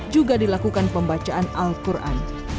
juga dilakukan pembacaan al quran